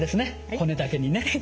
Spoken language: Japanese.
骨だけにね。